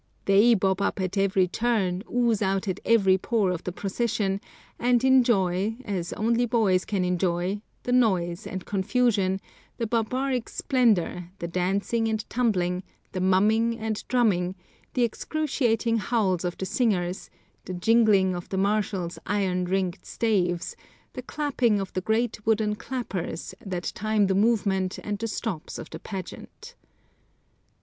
They bob up at every turn, ooze out at every pore of the procession, and enjoy, as only boys can enjoy, the noise and confusion, the barbaric splendor, the dancing and tumbling, the mumming and drumming, the excruciating howls of the singers, the jingling of the marshals' iron ringed staves, the clapping of the great wooden clappers that time the movement and the stops of the pageant.